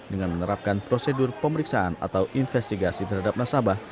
dengan menerapkan prosedur pemeriksaan atau investigasi terhadap nasabah